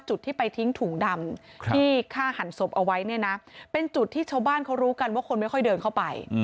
จุดที่ไปทิ้งถุงดำที่ฆ่าหันศพเอาไว้เนี่ยนะเป็นจุดที่ชาวบ้านเขารู้กันว่าคนไม่ค่อยเดินเข้าไป